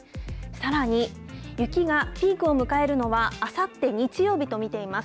さらに雪がピークを迎えるのは、あさって日曜日と見ています。